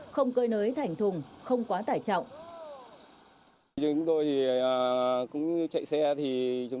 không cơi nới thành thùng không quá tải trọng